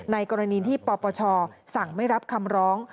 กรณีที่ปปชสั่งไม่รับคำร้อง